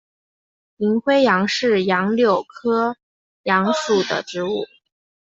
银灰杨是杨柳科杨属的植物。